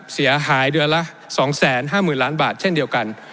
เสียหายเดือนละ๒๕๐๐๐ล้านบาทเช่นเดียวกัน